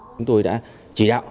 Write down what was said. chúng tôi đã chỉ đạo